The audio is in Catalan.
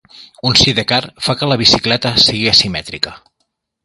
Un sidecar fa que la bicicleta sigui asimètrica.